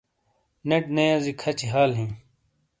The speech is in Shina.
نیٹ نے یزی کھچی حال ہی۔